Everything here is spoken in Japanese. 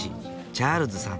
チャールズさん。